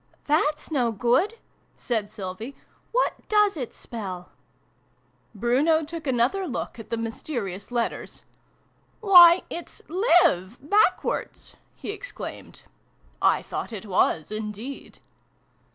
" That's no good," said Sylvie. " What does it spell?" Bruno took another look at the mysterious letters. "Why, it's 'LIVE,' backwards!" he exclaimed. (I thought it was, indeed.)